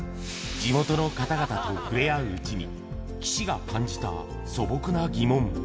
地元の方々と触れ合ううちに、岸が感じた素朴な疑問。